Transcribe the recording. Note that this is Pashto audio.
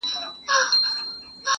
• چي هر څومره لوی موجونه پرې راتلله -